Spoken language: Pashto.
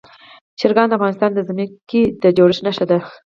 چرګان د افغانستان د ځمکې د جوړښت نښه ده.